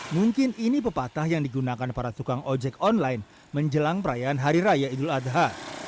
mungkin ini pepatah yang digunakan para tukang ojek online menjelang perayaan hari raya idul adha